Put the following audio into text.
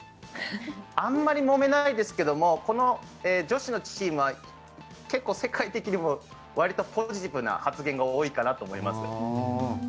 あまりもめないですけどこの女子のチームは結構、世界的にもわりとポジティブな発言が多いと思います。